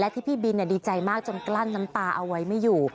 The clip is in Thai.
ที่พี่บินดีใจมากจนกลั้นน้ำตาเอาไว้ไม่อยู่